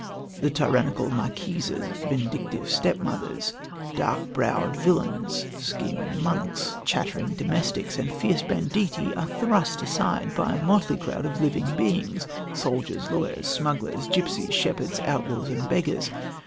The tyrannical marquises, vindictive stepmothers, dark browed villains, scheming monks, chattering domestics and fierce banditti are thrust aside by a motley crowd of living beings soldiers, lawyers, smugglers, gypsies, shepherds, outlaws and beggars.